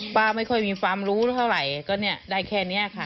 ป้าไม่ค่อยมีความรู้เท่าไหร่ก็เนี่ยได้แค่นี้ค่ะ